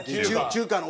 中華の。